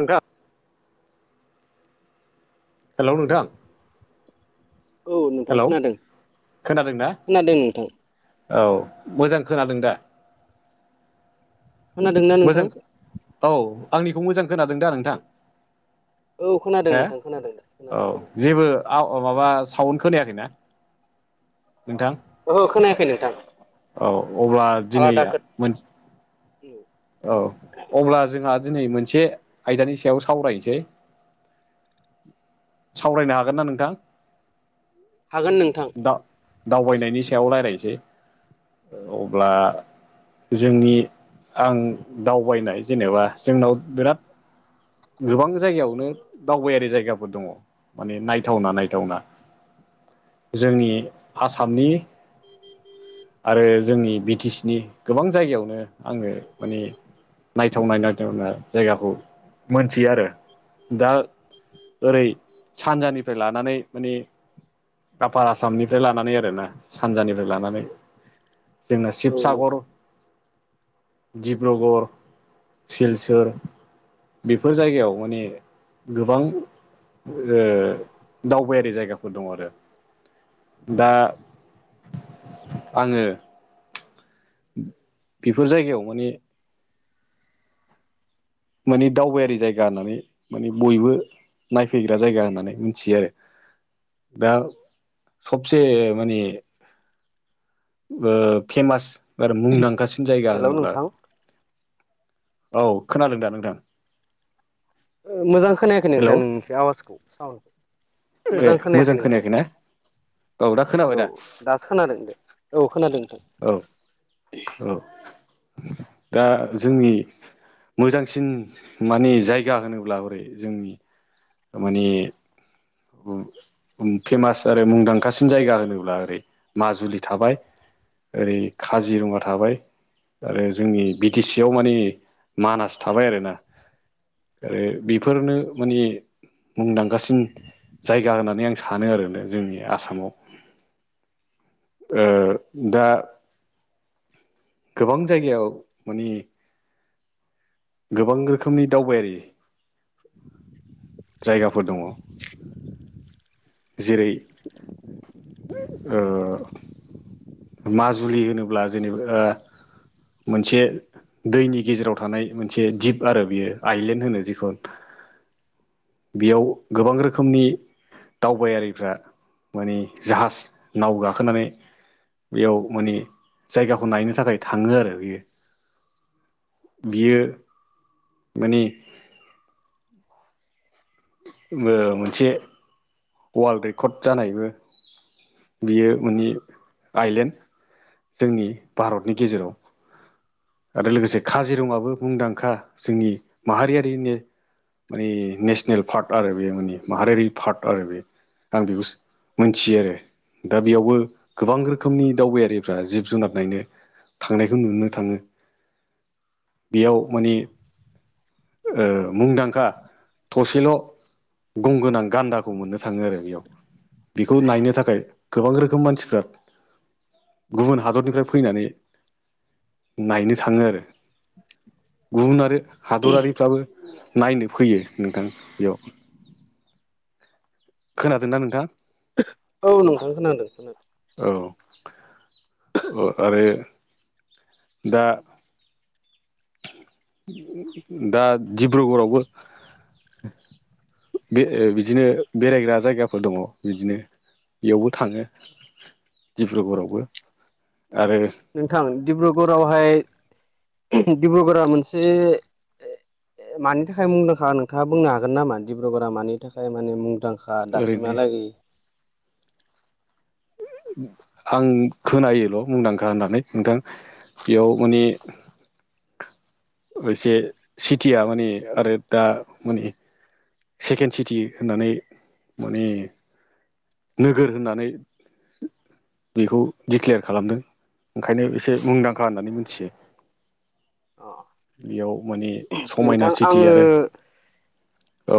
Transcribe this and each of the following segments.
नों गाब। हेलौ नोंथां। औ नोंथां हेलौ खोनादों खोनादों ना खोनादों नोंथां औ मोजां खोनादों दा। खोनादोंना नोंथां मोजां औ आंनिखौ मोजां। खोनादों दा नोंथां औ खोनादों हो नोंथां खोनादों दासो औ खोनादों मोजां जेबो आव आव माबा साउन खोनायाखैना नोंथां। ओहो खोनायाखै नोंथां औ अब्ला दिनै आलादा खोथ मोन। औ अब्ला जोंहा दिनै मोनसे आयदानि सायाव सावरायनोसै। सावरायनो हागोन ना नोंथां। हागोन नोंथां। दा दावबायनायनि सायाव रायलायनोसै। अब्ला जोंनि। आं दावबायनाय जेनेबा जोंनाव बिराद। गोबां जायगायावनो दावबायारि जायगाफोर दङ माने नायथावना नायथावना। जोंनि हासामनि। आरो जोंनि बिटि सि नि गोबां जायगायावनो। आङो माने नायथावनाय नायथावना जायगाखौ। मोनथियो आरो दा। ओरै सानजानिफ्राय लानानै माने। आपार आसामनिफ्राय लानानै आरोना सानजानिफ्राय लानानै। जोंना औ नोंथां शिबसागर, डिब्रगर, सिलसोर। बेफोर जायगायाव माने गोबां दावबायारि जायगाफोर दं आरो। दा आङो बेफोर जायगायाव माने माने दावबायारि जायगा होननानै माने बयबो नायफैग्रा जायगा होननानै मिथियो आरो। दा सबसे माने फेमास आरो मुंदांखासिन जायगा हेलौ होनोब्ला नोंथां औ खोनादों दा नोंथां। मोजां खोनायाखै हेलौ नोंथां नोंनिखौ आवाजखौ साउन्खौ। ए मोजां खोनायाखैना, दा खोनाबाय औ दा। दासो खोनादों दे औ खोनादों नोंथां। औ औ दा जोंनि मोजांसिन माने जायगा होनोब्ला हरै जोंनि माने फेमास आरो मुंदांखासिन जायगा होनोब्ला ओरै माजुलि थाबाय, ओरै काजिरङगा थाबाय, आरो जोंनि बि टि सियाव माने मानास थाबाय आरोना‌ आरो बेफोरनो माने मुंदांखासिन जायगा होननानै आं सानो आरोना जोंनि आसामाव। ओ दा गोबां जायगायाव माने गोबां रोखोमनि दावबायारि जायगाफोर दङ। जेरै औ। माजुलि होनोब्ला जेनेबा मोनसे दैनि गेजेराव थानाय मोनसे जिप आरो बियो आइलेण्ड होनो जिखौ। बेयाव गोबां रोखोमनि दावबायारिफ्रा माने जाहाज नाव गाखोनानै बेयाव माने जायगाखौ नायनो थाखाय थाङो आरो बियो बियो माने मोनसे वर्ल्ड रेकर्ड जानायबो बियो मोनि आइलेण्ड जोंनि भारतनि गेजेराव। आरो लोगोसे काजिरङाबो मुंदांखा जोंनि माहारियारिनि‌ मानानि नेसनेल पार्क आरो बे माने माहारियारि पार्क आरो बे। आं बेखौ मोनथियो आरो। दा बेयावबो गोबां रोखोमनि दावबायारिफ्रा जिब जुनार नायनो थांनायखौ नुनो थाङो। बेयाव माने मुंदांखा थसेल' गंगोनां गान्दा खौ मोननो थाङो आरो बेयाव। बेखौ नायनो थाखाय गोबां रोखोम मानसिफ्रा गुबुन हादरनिफ्राय फैनानै नायनो थाङो आरो। गुबुन आरो हादरारिफ्राबो नायनो फैयो नोंथां बेयाव। खोनादों ना नोंथां। औ नोंथां खोनादों खोनादों। औ। आरो दा दा डिब्रुगरावबो बे बिदिनो बेरायग्रा जायगाफोर दङ बिदिनो बेयावबो थाङो दिडब्रुगरावबो आरो नोंथां डिब्रुगरावहाय डिब्रुगरा मोनसे ए मानि थाखाय मुंदांखा नोंथाङा बुंनो हागोन नामा डब्रुगडरा मानि थाखाय माने मुंदांखा ओरैनो दाससिमलागै आं खोनायोल' मुंदांखा होननानै नोंथां बेयाव माने एसे सिटिया माने आरो दा माने सेकेन्ड सिटि होननानै माने नोगोर होननानै बेखौ डिक्लयार खालामदों ओंखायनो एसे मुंदांखा होननानै मिथियो अ बेयाव माने समायना नोंथां सिटि आरो आङो औ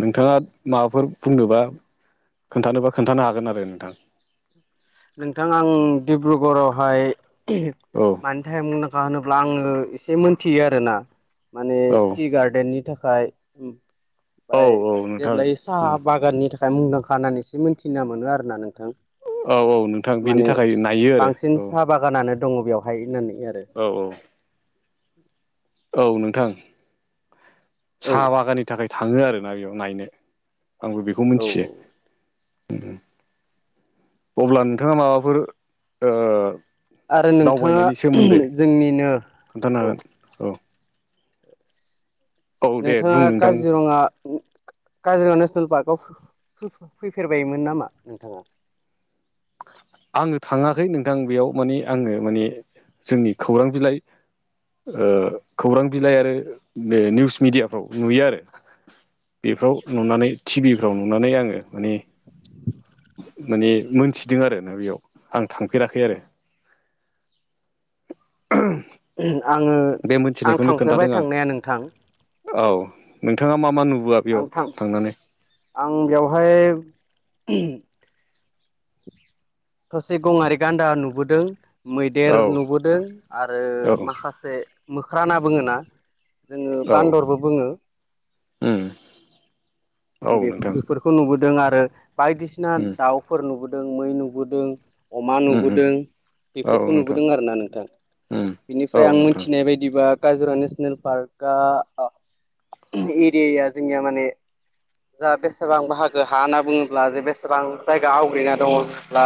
नोंथाङा माबाफोर बुंनोबा खोन्थानोबा खोनन्थानो हागोन आरो नोंथां नोंथां आं डिब्रुगऱावहाय औ मानि टाइमखा होनोब्ला आङो एसे मोनथियो आरोना माने औ टि गार्डेननि थाखाय औ ओमफफ्राय औ नोंथां जेब्लाय साहा बागाननि थाखाय मुंदांखा होननानैसो मोनथिना मोनो आरो ना नोंथां औ औ नोंथां बेनि माने थाखाय नायो आरो बांसिन औ साहा बागानानो दङ बेवहाय होननानै आरो औ औ औ नोंथां औ साहा बागाननि थाखाय थाङो आरोना बेयाव नायनो आंबो बेखौ औ मिथियो अब्ला नोंथाङा माबाफोर आरो नोंथाङा दावबायनायनि सोमोन्दै जोंनिनो खोन्थानो औ हागोन औ औ दे बुं नोंथाङा नोंथां काजिरङा काजिरङा नेसनेल पार्कआव फैफेरबायोन नामा नोंथाङा आङो थाङाखै नोंथां बेयाव माने आङो माने जोंनि खौरां बिलाइ खौरां बिलाइ आरो निउस मिडियाफ्राव नुयो आरो बेफ्राव नुनानै टिभिफ्राव नुनानै आङो माने माने मोनथिदों आरो ना बेयाव आं थांफेराखै आरो [inaudible] आङो बे आं मोनथिनायखौनो खोन्थादों थांफेरबाय आं थांनाया नोंथां औ नोंथाङा मा मा नुबाआ आं थां आं बेवहाय थसे गङारि गान्दा नुबोदों औ मैदेर नुबोदों आरो औ माखासे मोख्रा होना बुङोना जोङो बान्दरबो बुङो ओ बे बेफोरखौ नुबोदों आरो बायदिसिना उम दाउफोर नुबोदों मै नुबोदों अमा उम उम नुबोदों औ बेफोरखौ नोंथां नुबोदों आरोना नोंथां उम औ बिनिफ्राय आं नोंथां मोनथिनाय बायदिबा काजरा नेसनेल पार्कआ एरियाया जोंनिया माने जा बेसेबां बाहागो हा होनना बुङोब्ला जे बेसेबां जायगा आवग्रिना दङब्ला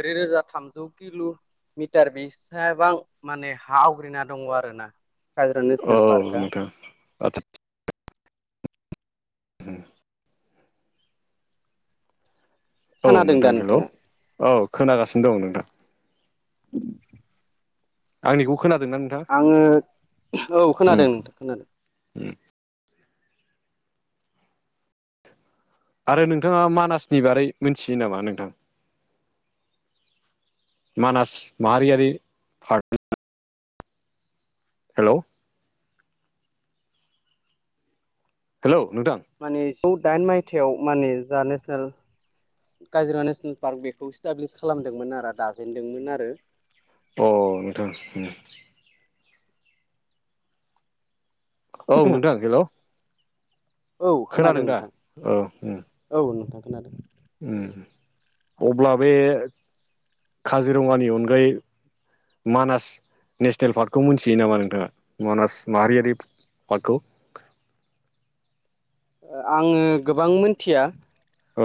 ब्रै रोजा थामजौ किल' मिटार बेसेबां माने हा आवग्रिना दङ आरोना काजिरङा औ नेसनेल पार्का नोंथां आदसा उम औ खोनादों दा नोंथां हेल' नोंथाङा औ खोनागासिनो दं नोंथां [inaudible] आंनिखौ खोनादों ना नोंथां आङो औ खोनादों नोंथां खोनादों आरो नोंथाङा मानासनि बारै मोनथियो नामा नोंथां। मानास माहारियारि फार्कनि हेल' हेलौ नोंथां माने नैजौ दाइन मायथाइयाव माने जा नेसनेल काजिरङा नेसनेल पार्क बेखौ इस्टाब्लिस खालामदोंमोन आरो दाजेनदोंमोन आरो अ नोंथां उम औ नोंथां हेल'। औ खोनादों नोंथां औ औ नोंथां खोनादों। उम अब्ला बे काजिरङानि अनगायै मानास नेसनेल पार्कखौ मोनथियो नामा नोंथाङा मानास माहारियारि पार्कखौ आङो गोबां मिथिया औ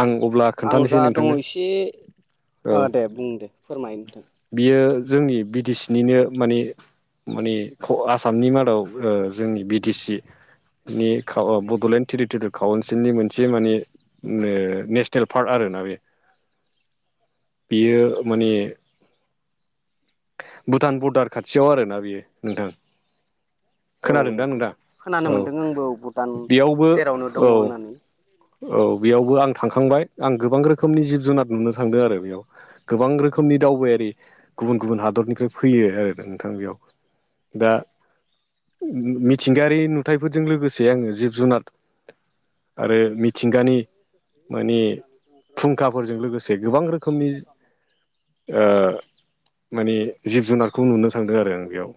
आं अब्ला आं खोन्थानोसै जा दङ नोंथांनो एसे औ अ दे बुं दे फोरमाय नोंथां बियो जोंनि बि टि सि निनो माने माने आसामनि मादाव ओ जोंनि बि टि सि नि बड'लेण्ड टेरिटरियेल काउन्सिलनि मोनसे माने नेसनेल पार्क आरोना बे औ बेयो माने भुटान बरदार खाथियाव आरोना बेयो नोंथां। औ खोनादों दा नोंगौ औ नोंथां खोनानो औ मोन्दों आंबो भुटान बेयावबो सेरावनो औ दङ होननानै। औ बेयावबो आं थांखांबाय आं गोबां रोखोमनि जिब जुनार नुनो थांदों आरो बेयाव गोबां रोखोमनि दावबायारि गुबुन-गुबुन हादरनिफ्राय फैयो आरो नोंथां बेयाव। दा मिथिंगायारि नुथायफोरजों लोगोसे आङो जिब जुनार आरो मिथिंगानि माने फुंखाफोरजों लोगोसे गोबां रोखोमनि ओ माने जिब जुनारखौ नुनो थांदों आरो आं बेयाव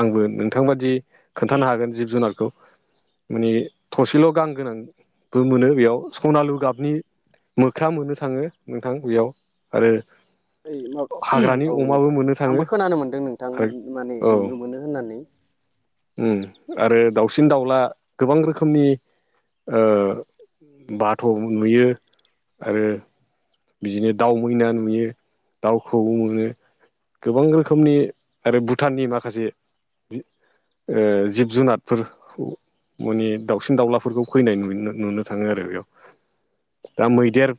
आंबो नोंथांबादि खोन्थानो हागोन जिब जुनारखौ माने थसेल' गां गोनां बो मोनो बेयाव सनालु गाबनि मोख्रा मोननो थाङो नोंथां बेयाव आरो ओइ मा हाग्रानि औ अमाबो नोंथां मोननो थाङो आंबो खोनानो मोन्दों नोंथां आरो माने औ नुनो मोनो होननानै। उम आरो दाउसिन दाउला गोबां रोखोमनि ओ बाथ' नुयो आरो बिदिनो दाउ मैना नुयो दाउखौऔ नुयो गोबां रोखोमनि आरो भुटाननि माखासे ओ जिब जुनारफोरखौ माने दाउसिन दाउलाफोरखौ फैनाय नु नुनो थाङो आरो बेयाव दा मैदेर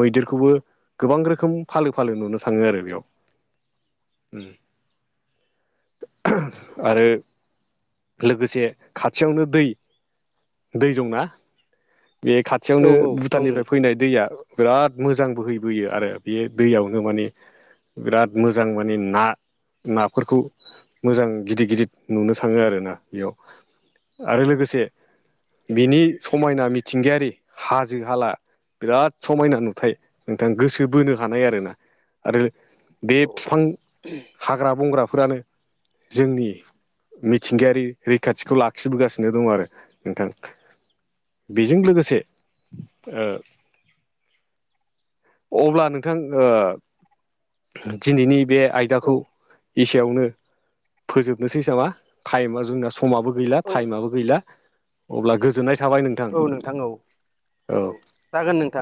मैदेरखौबो गोबां रोखोम फालो-फालो नुनो थाङो आरो बेयाव आरो लोगोसे खाथियावनो दै-दै दंना बे औ खाथियावनो औ दं भुटाननिफ्राय नोंथां फैनाय दैया बिराद मोजां बोहैबोयो आरो बे दैयावनो माने बिराद मोजां माने ना नाफोरखौ मोजां गिदिर-गिदिर नुनो थाङो आरोना बेयाव आरो लोगोसे बिनि समायना मिथिंगायारि हाजो हाला बिराद समायना नुथाय नोंथां गोसो बोनो हानाय आरो ना आरो बे औ बिफां [inaudible] हाग्रा बंग्राफोरानो जोंनि मिथिंगायारि रैखाथिखौ लाखिबोगासिनो दं आरो नोंथां। बेजों लोगोसे ओ अब्ला नोंथां ओ दिनैनि बे आइ औ दाखौ इसेयावनो फोजोबनोसैसामा टाइमा जोंना समाबो गैला औ टाइमआबो गैला अब्ला गोजोननाय थाबाय नों औ नोंथां औ औ जागोन नोंथां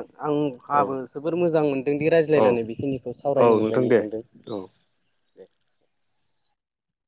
औ आंहाबो जोबोर मोजां मोनदोंदि औ रायज्लायनानै बेखिनिखौ औ सावरायनो नोंथां मोनबाय दे नोंथांदों। औ